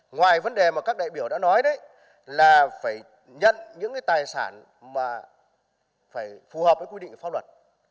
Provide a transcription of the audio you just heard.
ngoài vấn đề mà các đại biểu đã nói đấy là phải nhận những cái tài sản mà phải phù hợp với quy định phong luật